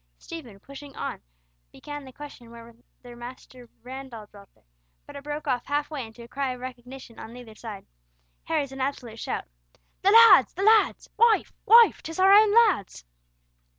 Stephen, pushing on, began the question whether Master Randall dwelt there, but it broke off half way into a cry of recognition on either side, Harry's an absolute shout. "The lads, the lads! Wife, wife! 'tis our own lads!"